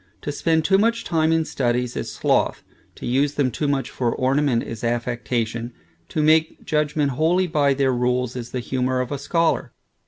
To spend too much time in studies is sloth; to use them too much for ornament, is affectation; to make judgment wholly by their rules, is the humor of a scholar.